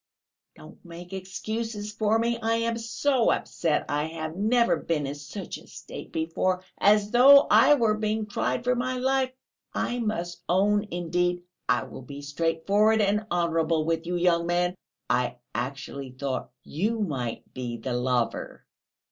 "Don't make excuses for me; I am so upset. I have never been in such a state before. As though I were being tried for my life! I must own indeed I will be straightforward and honourable with you, young man; I actually thought you might be the lover."